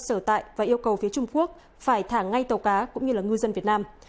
sở tại và yêu cầu phía trung quốc phải thả ngay tàu cá cũng như là ngư dân việt nam